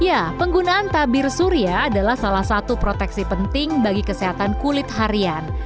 ya penggunaan tabir surya adalah salah satu proteksi penting bagi kesehatan kulit harian